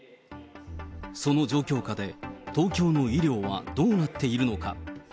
その状況下で、東京の医療はどうなっているのか。